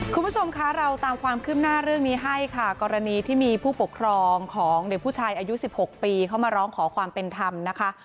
คุณผู้ชมคะเราตามความคืบหน้าเรื่องนี้ให้ค่ะกรณีที่มีผู้ปกครองของเด็กผู้ชายอายุ๑๖ปีเข้ามาร้องขอความเป็นธรรมนะคะ